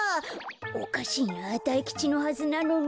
おかしいな大吉のはずなのに。